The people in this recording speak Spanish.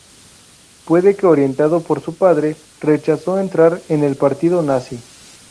Puede que orientado por su padre, rechazó entrar en el Partido Nazi.